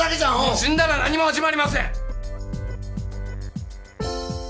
死んだら何も始まりません！